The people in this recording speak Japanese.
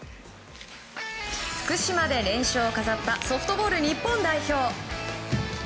福島で連勝を飾ったソフトボール日本代表。